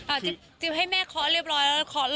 อ่าจิ๊บให้แม่ขอเรียบร้อยแล้วขอหล่อ